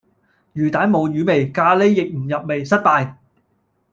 魚蛋冇魚味，咖喱亦唔入味，失敗